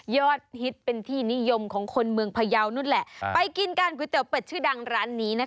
ฮิตเป็นที่นิยมของคนเมืองพยาวนู่นแหละไปกินการก๋วยเตี๋เป็ดชื่อดังร้านนี้นะคะ